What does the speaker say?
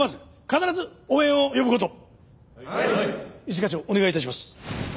一課長お願い致します。